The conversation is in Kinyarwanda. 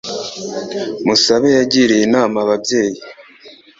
Musabe yagiriye inama ababyeyi